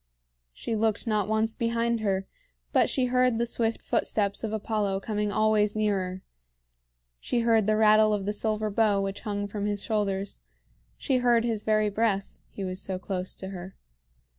She looked not once behind her, but she heard the swift footsteps of Apollo coming always nearer; she heard the rattle of the silver bow which hung from his shoulders; she heard his very breath, he was so close to her.